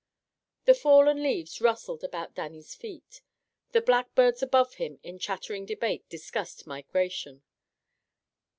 The fallen leaves rustled about Dannie's feet. The blackbirds above him in chattering debate discussed migration.